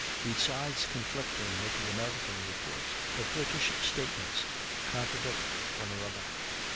Besides conflicting with the American reports, the British statements contradict one another.